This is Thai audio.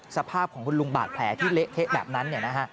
สภาพของคุณลุงบาดแผลที่เละเทะแบบนั้น